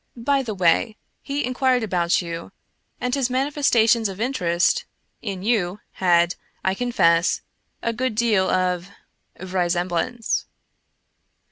(By the way, he inquired about you, and his manifestations of interest in you had, I confess, a good deal of vraisem blance.